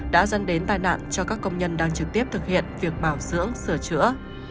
đã dân đến tai nạn cho các công nhân đang trực tiếp thực hiện việc bảo dưỡng sửa chữa